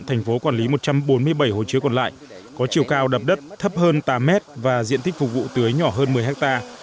thành phố quản lý một trăm bốn mươi bảy hồ chứa còn lại có chiều cao đập đất thấp hơn tám mét và diện tích phục vụ tưới nhỏ hơn một mươi hectare